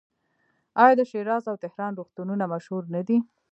آیا د شیراز او تهران روغتونونه مشهور نه دي؟